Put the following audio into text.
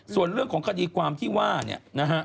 ส่วนเรื่องของคดีความที่ว่าเนี่ยนะฮะ